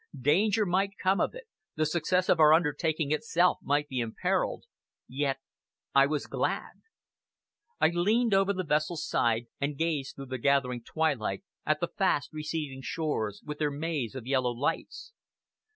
Danger might come of it, the success of our undertaking itself might be imperilled yet I was glad. I leaned over the vessel's side, and gazed through the gathering twilight at the fast receding shores, with their maze of yellow lights.